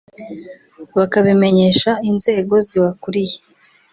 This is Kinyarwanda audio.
bakabimenyesha inzego zibakuriye